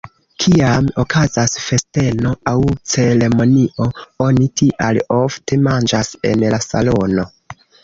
Kiam okazas festeno aŭ ceremonio, oni tial ofte manĝas en la salono.